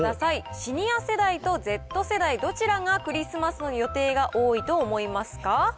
シニア世代とＺ世代、どちらがクリスマスの予定が多いと思いますか。